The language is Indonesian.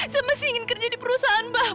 saya masih ingin kerja di perusahaan bang